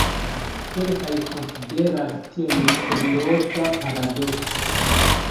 Kelkaj konsideras tion kurioza paradokso.